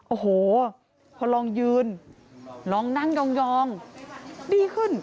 โอ้โหพอลองยืนลองนั่งยองดีขึ้น